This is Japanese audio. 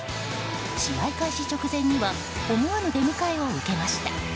試合開始直前には思わぬ出迎えを受けました。